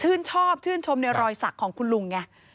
ชอบชื่นชมในรอยสักของคุณลุงไง